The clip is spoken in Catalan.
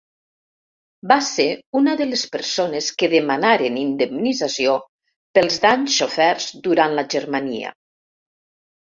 Va ser una de les persones que demanaren indemnització pels danys soferts durant la Germania.